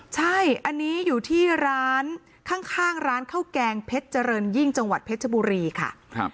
ใช่อันนี้อยู่ที่ร้านข้างร้านข้าวแกงเพชรเจริญยิ่งจังหวัดเพชรบุรีค่ะ